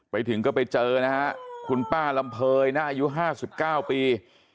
ไปถึงก็ไปเจอนะฮะคุณป้าลำเภยนะอายุ๕๙ปี